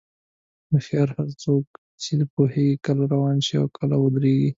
هوښیار څوک دی چې پوهېږي کله روان شي او کله ودرېږي.